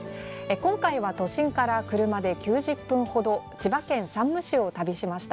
今回は都心から車で９０分ほど、千葉県山武市を旅しました。